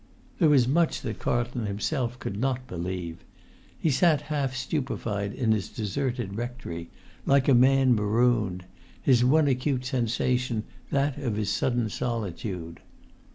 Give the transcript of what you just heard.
There was much that Carlton himself could not believe. He sat half stupefied in his deserted rectory, like a man marooned, his one acute sensation that of his sudden solitude.